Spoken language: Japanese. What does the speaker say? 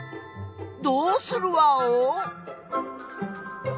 どうするワオ？